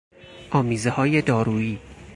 آمیزههای دارویی